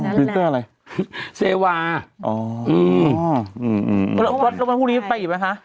อ๋อพริเซนเตอร์อะไรอืมปลอดภัณฑ์พรุ่งนี้ไปอีกไหมคะ